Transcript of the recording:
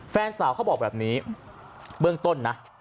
แฟนสาวเขาบอกแบบนี้เบื้องต้นนะ